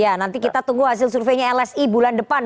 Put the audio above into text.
ya nanti kita tunggu hasil surveinya lsi bulan depan